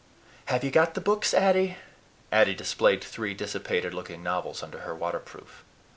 "Have you got the books, Addy?" Addy displayed three dissipated looking novels under her waterproof.